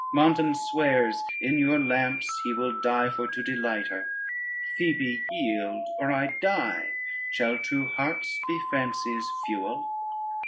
Montan swears, In your lamps He will die for to delight her. Phoebe yield, Or I die: Shall true hearts be fancy's fuel?